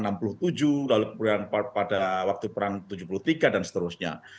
lalu diperlukan pada waktu perang enam puluh tujuh lalu diperlukan pada waktu perang tujuh puluh tiga dan seterusnya